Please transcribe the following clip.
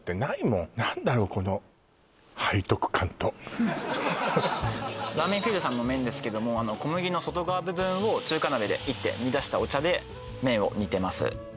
この背徳感とＲａｍｅｎＦｅｅＬさんの麺ですけども小麦の外側部分を中華鍋で煎って煮出したお茶で麺を煮てます